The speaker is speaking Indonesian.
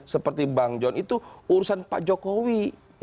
seperti bang john itu urusan pak jokowi